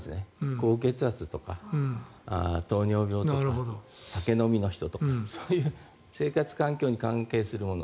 高血圧とか糖尿病とか酒飲みの人とかそういう生活環境に関係するもの。